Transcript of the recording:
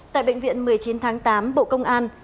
tại bệnh viện một mươi chín tháng tám bộ công an